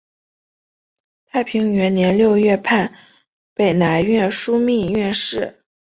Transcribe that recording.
太平元年六月判北南院枢密院事。